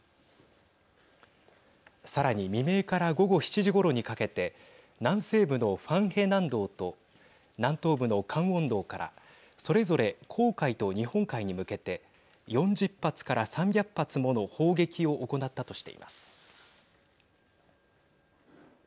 さらに未明から午後７時ごろにかけて南西部のファンヘ南道と南東部のカンウォン道からそれぞれ、黄海と日本海に向けて４０発から３００発もの砲撃を行ったとしています。